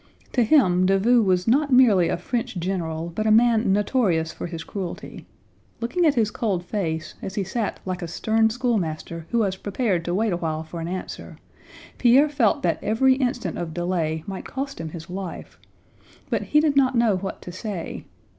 To him Davout was not merely a French general, but a man notorious for his cruelty. Looking at his cold face, as he sat like a stern schoolmaster who was prepared to wait awhile for an answer, Pierre felt that every instant of delay might cost him his life; but he did not know what to say.